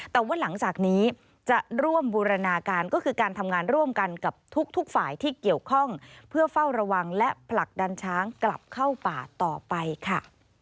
แต่ว่าหลังจากนี้จะร่วมบูรณาการก็คือการทำงานร่วมกันกับทุกฝ่ายที่เกี่ยวข้องเพื่อเฝ้าระวังและผลักดันช้างกลับเข้าป่าต่อไปค่ะ